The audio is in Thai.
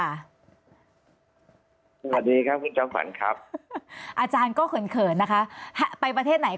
สวัสดีครับคุณจอมขวัญครับอาจารย์ก็เขินเขินนะคะไปประเทศไหน